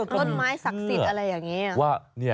ต้นไม้ศักดิ์สิทธิ์อะไรอย่างนี้